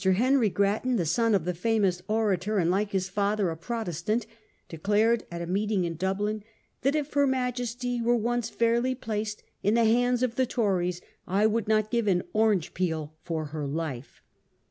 Henry Grattan, the son of the famous orator, and like his father a Protestant, declared at a meeting in Dublin, that ' if her Majesty were once fairly placed in the hands of the Tories, I would not give an orange peel for her life.